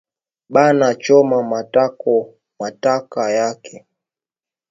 Bana choma motoka yake